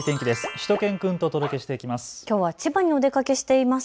しゅと犬くんとお届けしていきます。